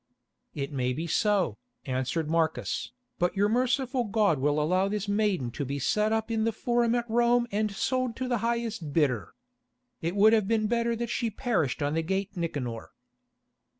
"It may be so," answered Marcus, "but your merciful God will allow this maiden to be set up in the Forum at Rome and sold to the highest bidder. It would have been better that she perished on the gate Nicanor."